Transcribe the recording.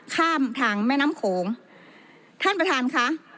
ข้ามทางแม่น้ำโขงท่านประธานค่ะ